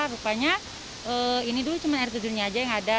rupanya ini dulu cuma air terjunnya aja yang ada